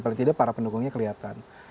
paling tidak para pendukungnya kelihatan